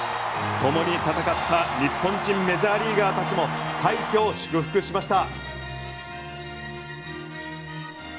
ともに戦った日本人メジャーリーガーたちも快挙を祝福しました。